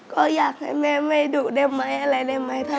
ก็อยากให้แม่ไม่ดุอะไรได้ไหม